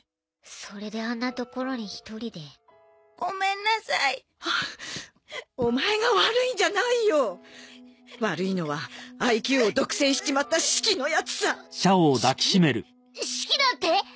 それであんな所に一人でごめんなさいお前が悪いんじゃないよ悪いのはＩＱを独占しちまったシキのヤツさシキシキだって！？